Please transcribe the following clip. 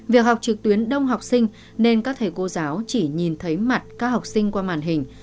việc học trực tuyến đông học sinh nên các thầy cô giáo chỉ nhìn thấy mặt các học sinh qua màn hình